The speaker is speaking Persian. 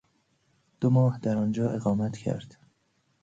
دو ماه درآنجا اقامت کرد